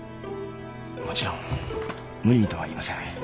もちろん無理にとは言いません。